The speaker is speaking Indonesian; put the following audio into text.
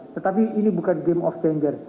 tetapi ini bukan game of changer